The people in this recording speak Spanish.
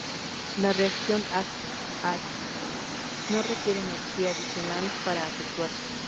La reacción Ag-Ac no requiere energía adicional para efectuarse.